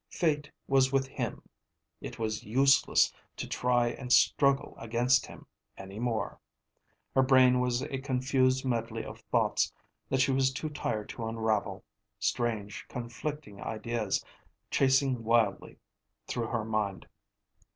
Fate was with him. It was useless to try and struggle against him any more. Her brain was a confused medley of thoughts that she was too tired to unravel, strange, conflicting ideas chasing wildly through her mind.